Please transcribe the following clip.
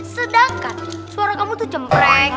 sedangkan suara kamu tuh cempreng